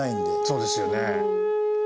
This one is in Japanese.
そうですよね。